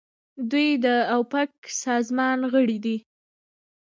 دوی د اوپک سازمان غړي دي.